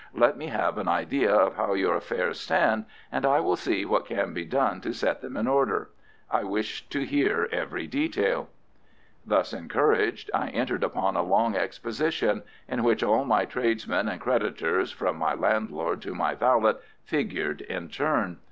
Let me have an idea of how your affairs stand, and I will see what can be done to set them in order. I wish to hear every detail." Thus encouraged, I entered into a long exposition, in which all my tradesmen and creditors, from my landlord to my valet, figured in turn.